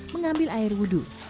mengambil kemari ke kamar